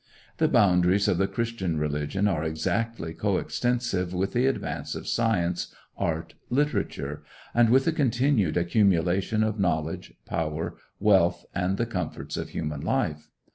The boundaries of the Christian religion are exactly coextensive with the advance of science, art, literature; and with the continued accumulation of knowledge, power, wealth, and the comforts of human life.